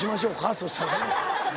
そしたらね。